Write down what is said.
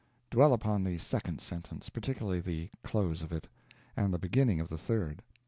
Dwell upon the second sentence (particularly the close of it) and the beginning of the third.